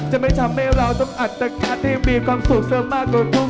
จะไม่ทำให้เราต้องอัตกาลที่มีความสุขเสริมมากกว่าทุกข์